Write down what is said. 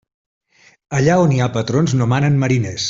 Allà on hi ha patrons no manen mariners.